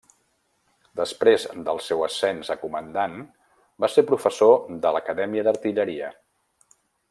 Després del seu ascens a comandant, va ser professor de l'acadèmia d'artilleria.